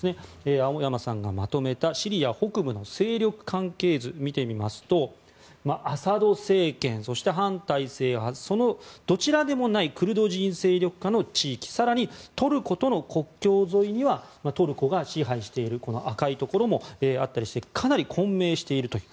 青山さんがまとめたシリア北部の勢力関係図を見てみますとアサド政権と反体制派そのどちらでもないクルド人勢力下の地域更にトルコとの国境沿いにはトルコが支配している赤いところもあったりしてかなり混迷しているという。